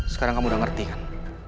sekarang kamu udah ngerti kan